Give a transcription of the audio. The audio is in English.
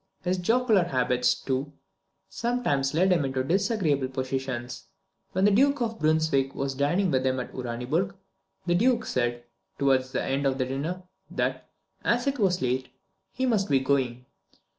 His jocular habits, too, sometimes led him into disagreeable positions. When the Duke of Brunswick was dining with him at Uraniburg, the Duke said, towards the end of the dinner, that, as it was late, he must be going.